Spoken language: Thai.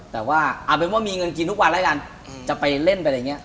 แต่ว่าเอาเป็นว่ามีเงินกินทุกวันแล้วกันจะไปเล่นไปอะไรอย่างนี้